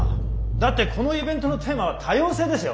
だってこのイベントのテーマは「多様性」ですよ？